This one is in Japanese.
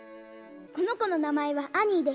この子の名前はアニーで。